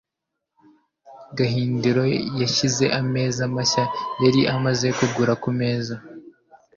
Gabiro yashyize ameza mashya yari amaze kugura kumeza.